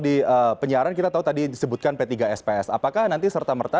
kebebasan itu selalu dibatasi oleh